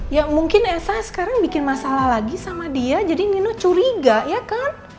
ya mungkin esa sekarang bikin masalah lagi sama dia jadi nino curiga ya kan